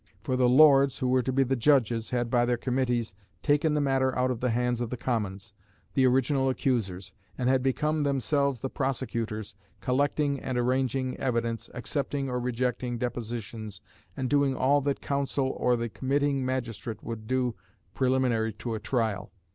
For the Lords, who were to be the judges, had by their Committees taken the matter out of the hands of the Commons, the original accusers, and had become themselves the prosecutors, collecting and arranging evidence, accepting or rejecting depositions, and doing all that counsel or the committing magistrate would do preliminary to a trial.